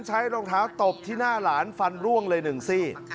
รองเท้าตบที่หน้าหลานฟันร่วงเลย๑ซี่